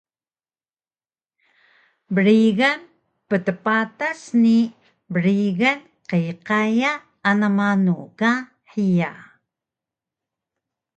brigan ptpatas ni brigan qyqaya ana manu ka hiya